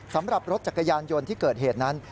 สำหรับรถจักรยานยนต์ที่เกิดเหตุนั้น